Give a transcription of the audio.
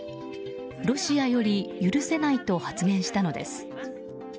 ロシアより許せないと発言したのです。